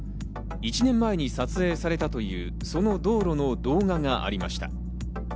１年前に撮影されたという、その道路の動画がありました。